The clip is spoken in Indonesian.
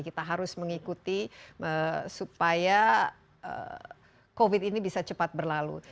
kita harus mengikuti supaya covid ini bisa cepat berlalu